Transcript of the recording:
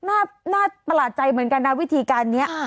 น่าประหลาดใจเหมือนกันนะวิธีการนี้